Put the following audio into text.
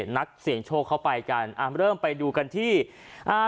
นักเสี่ยงโชคเข้าไปกันอ่าเริ่มไปดูกันที่อ่า